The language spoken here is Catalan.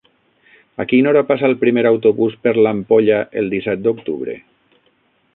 A quina hora passa el primer autobús per l'Ampolla el disset d'octubre?